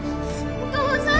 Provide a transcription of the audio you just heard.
お父さん。